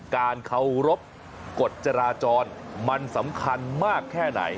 การเคารพกฎจราจรมันสำคัญมากแค่ไหน